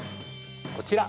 こちら